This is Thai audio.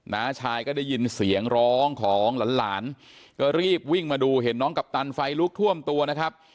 น้าชายก็ได้ยินเสียงร้องของหลานก็รีบวิ่งมาดูเห็นน้องกัปตันไฟลุกท่วมตัวนะครับ